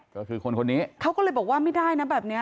ก็คือคนคนนี้เขาก็เลยบอกว่าไม่ได้นะแบบนี้